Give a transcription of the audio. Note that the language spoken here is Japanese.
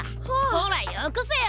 ほらよこせよ。